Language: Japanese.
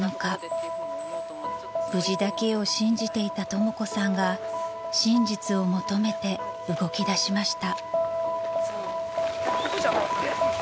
［無事だけを信じていたとも子さんが真実を求めて動きだしました］